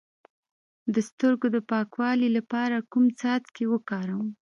د سترګو د پاکوالي لپاره کوم څاڅکي وکاروم؟